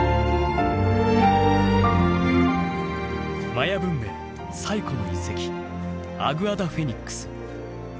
マヤ文明最古の遺跡アグアダ・フェニックス。